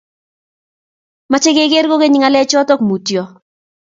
Meche kegeer kogeny ngalechoto mutyo